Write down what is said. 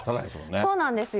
そうなんですよ。